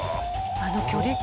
あの距離感。